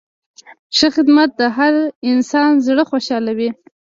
ښه خدمت د هر انسان زړه خوشحالوي.